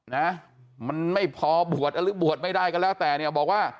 นะมันไม่พอบวชหรือบวชไม่ได้ก็แล้วแต่เนี่ยบอกว่า